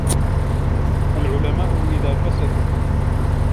الْعُلَمَاءُ إذَا فَسَدُوا